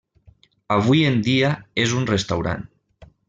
Avui en dia és un restaurant.